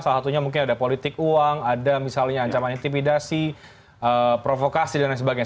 salah satunya mungkin ada politik uang ada misalnya ancaman intimidasi provokasi dan lain sebagainya